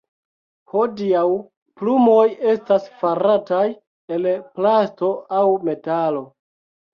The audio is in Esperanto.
Hodiaŭ, plumoj estas farataj el plasto aŭ metalo.